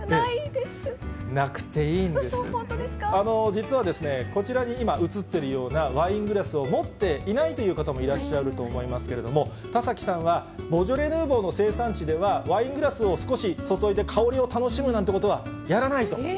実は、こちらに今、映っているようなワイングラスを持っていないという方もいらっしゃると思いますけれども、田崎さんは、ボジョレ・ヌーボーの生産地では、ワイングラスを少し注いで香りを楽しむなんてことはやらないと。